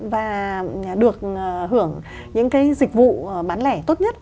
và được hưởng những cái dịch vụ bán lẻ tốt nhất